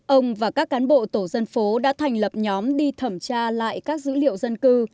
ông và các cán bộ tổ dân phố đã thành lập nhóm đi thẩm tra lại các dữ liệu dân cư